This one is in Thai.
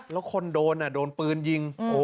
แล้วคนโดนโดนปืนยิง